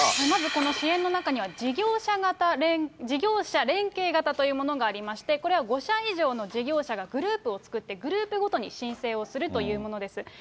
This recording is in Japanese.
まずこの支援の中には、事業者連携型というものがありまして、これは５社以上の事業者がグループを作って、グループごとに申請をするというものです。